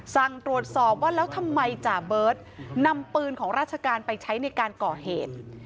สั่งตรวจสอบว่าแล้วทำไมจ่าเบิร์ตนำปืนของราชการไปใช้ในการก่อเหตุ